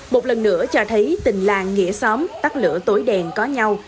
một lần nữa cho thấy tình làng nghĩa xóm tắt lửa tối đen có nhau